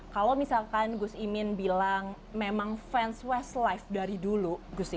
kalau misalkan gus imin bilang memang fans westlife dari dulu